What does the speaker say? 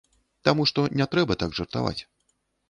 Таму што не трэба так жартаваць.